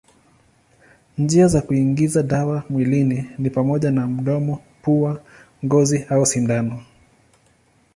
Njia za kuingiza dawa mwilini ni pamoja na mdomo, pua, ngozi au sindano.